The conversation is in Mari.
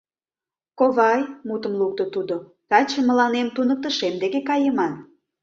— Ковай, — мутым лукто тудо, — таче мыланем туныктышем деке кайыман.